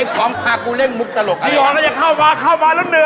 ก็จะเข้ามาเข้ามาแล้วเงย